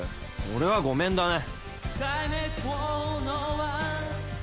俺はごめんだね。